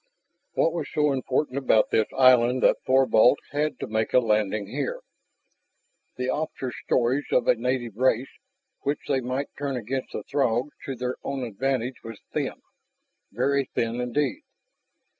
What was so important about this island that Thorvald had to make a landing here? The officer's stories of a native race which they might turn against the Throgs to their own advantage was thin, very thin indeed.